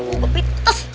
gua bepi ketes